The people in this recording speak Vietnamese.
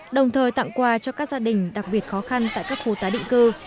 đồng thời tặng quà cho các gia đình đặc biệt khó khăn tại các khu tái định cư